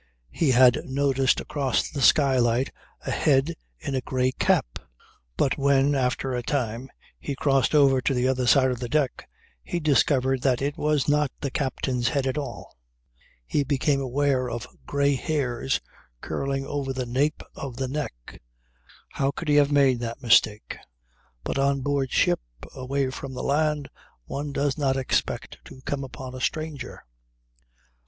He had noticed across the skylight a head in a grey cap. But when, after a time, he crossed over to the other side of the deck he discovered that it was not the captain's head at all. He became aware of grey hairs curling over the nape of the neck. How could he have made that mistake? But on board ship away from the land one does not expect to come upon a stranger.